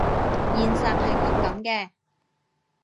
現實係骨感嘅